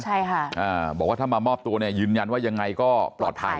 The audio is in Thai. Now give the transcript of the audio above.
ใช่ค่ะอ่าบอกว่าถ้ามามอบตัวเนี่ยยืนยันว่ายังไงก็ปลอดภัย